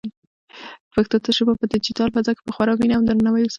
پښتو ژبه په ډیجیټل فضا کې په خورا مینه او درناوي وساتئ.